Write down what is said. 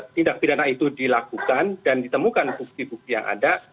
tindak pidana itu dilakukan dan ditemukan bukti bukti yang ada